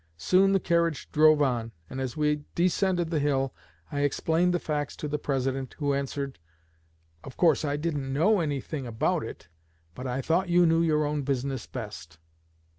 Soon the carriage drove on, and as we descended the hill I explained the facts to the President, who answered, 'Of course I didn't know anything about it, but I thought you knew your own business best.'